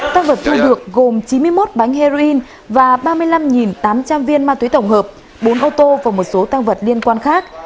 tăng vật thu được gồm chín mươi một bánh heroin và ba mươi năm tám trăm linh viên ma túy tổng hợp bốn ô tô và một số tăng vật liên quan khác